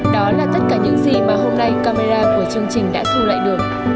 đó là tất cả những gì mà hôm nay camera của chương trình đã thu lại được